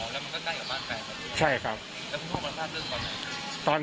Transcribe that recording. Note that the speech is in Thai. อ๋อแล้วมันก็ใกล้กับบ้านแฟนค่ะ